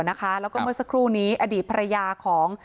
แล้วก็เมื่อสักครู่นี้อดีตภรรยาของ